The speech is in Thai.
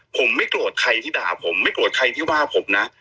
ผมไม่โกรธใครที่ด่าผมไม่โกรธใครที่ว่าผมนะ